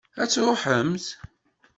Ad truḥemt?